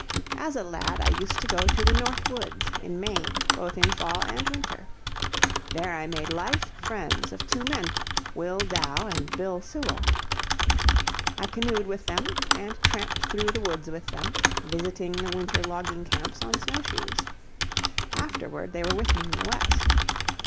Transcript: As a lad I used to go to the north woods, in Maine, both in fall and winter. There I made life friends of two men, Will Dow and Bill Sewall: I canoed with them, and tramped through the woods with them, visiting the winter logging camps on snow shoes. Afterward they were with me in the West.